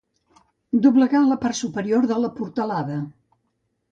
Doblegar la part superior de la portalada.